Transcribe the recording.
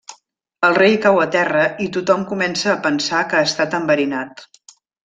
El rei cau a terra i tothom comença a pensar que ha estat enverinat.